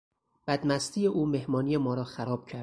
بدمستی او مهمانی ما را خراب کرد.